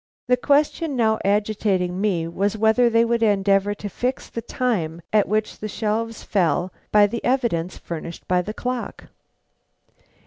The question now agitating me was whether they would endeavor to fix the time at which the shelves fell by the evidence furnished by the clock.